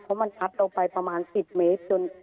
เพราะมันพัดเราไปประมาณ๑๐เมตรจน